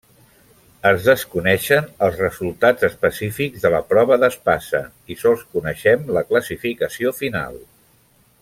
Es desconeixen els resultats específics de la prova d'espasa i sols coneixem la classificació final.